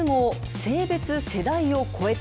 性別・世代を超えて。